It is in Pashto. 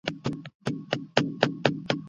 آیا په نکاح کي د ښځي خوښه اخیستل کېده؟